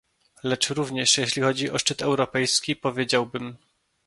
Lecz również jeśli chodzi o szczyt europejski, powiedziałbym